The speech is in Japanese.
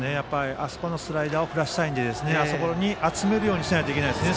あそこへのスライダーを振らせたいのであそこに集めるようにしないといけませんね